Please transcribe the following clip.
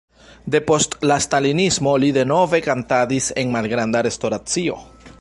Depost la stalinismo li denove kantadis en malgranda restoracio.